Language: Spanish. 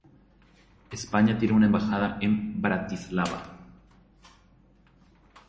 España tiene una embajada en Bratislava.